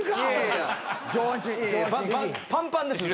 パンパンです。